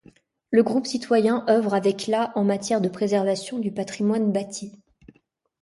Le groupe citoyen œuvre avec la en matière de préservation du patrimoine bâti.